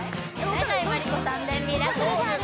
永井真理子さんで「ミラクル・ガール」